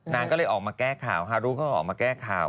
นางก็เลยออกมาแก้ข่าวฮารุ่งเขาก็ออกมาแก้ข่าว